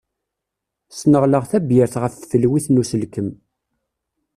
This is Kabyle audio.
Sneɣleɣ tabyirt ɣef tfelwit n uselkem.